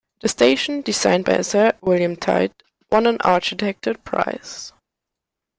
The station, designed by Sir William Tite, won an architecture prize.